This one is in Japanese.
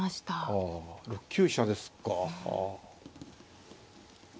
あ６九飛車ですか。